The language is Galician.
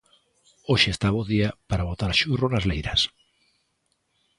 Hoxe está bo día para botar zurro nas leiras